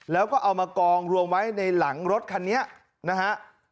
แล้วก็เอามากองรวมไว้ในหลังรถคันนี้นะฮะ